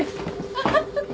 アハハハ。